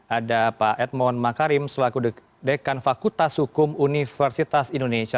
ada pak edmond makarim selaku dekan fakultas hukum universitas indonesia